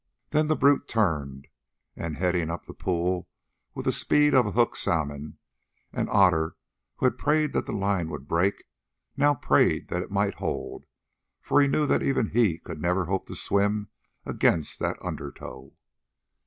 Then the brute turned, heading up the pool with the speed of a hooked salmon, and Otter, who had prayed that the line would break, now prayed that it might hold, for he knew that even he could never hope to swim against that undertow.